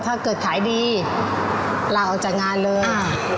ถ้าเกิดขายดีลาออกจากงานเลย